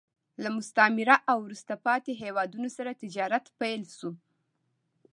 له مستعمره او وروسته پاتې هېوادونو سره تجارت پیل شو